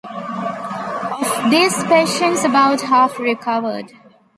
Of these patients about half recovered.